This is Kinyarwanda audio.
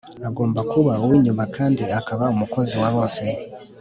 agomba kuba uw inyuma kandi akaba umukozi wa bose